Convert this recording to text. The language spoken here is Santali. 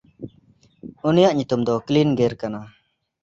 ᱩᱱᱤᱭᱟᱜ ᱧᱩᱛᱩᱢ ᱫᱚ ᱠᱞᱤᱱᱜᱮᱨ ᱠᱟᱱᱟ᱾